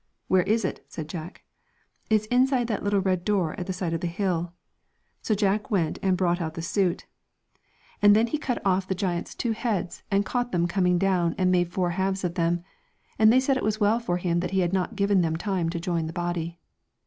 'Where is it?' said Jack. ' It's inside that little red door at the side of the hill.' So Jack went and brought out the suit. And then he cut off the 216 giant's two heads, and caught them coming Dreams down and made four halves of them. And no Moral, they said it was well for him he had not given them time to join the body.